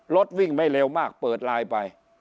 รถวิ่งไม่เร็วมากเปิดไลน์ไป